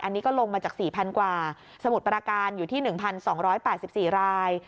อันนี้ก็ลงมาจากสี่พันกว่าสมุดประการอยู่ที่หนึ่งพันสองร้อยแปดสิบสี่ราย